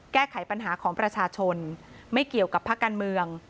แก้ไขปัญหาของประชาชนไม่เกี่ยวกับภาคการเมือง